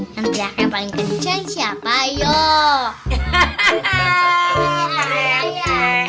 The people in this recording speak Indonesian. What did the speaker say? yang teriaknya paling kenceng siapa yuk